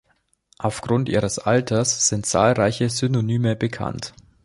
Aufgrund ihres Alters sind zahlreiche Synonyme bekannt.